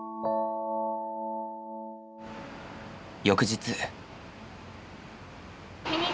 翌日。